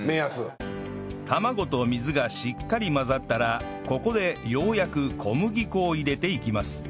卵と水がしっかり混ざったらここでようやく小麦粉を入れていきます